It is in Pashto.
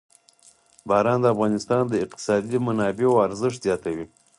باران د افغانستان د اقتصادي منابعو ارزښت زیاتوي.